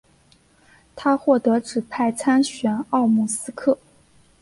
他获得指派参选奥姆斯克。